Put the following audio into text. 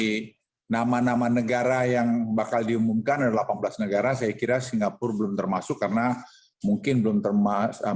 dari nama nama negara yang bakal diumumkan ada delapan belas negara saya kira singapura belum termasuk karena mungkin belum termasuk